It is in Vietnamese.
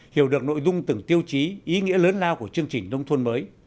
hiểu được nội dung từng tiêu chí ý nghĩa lớn lao của chương trình nông thôn mới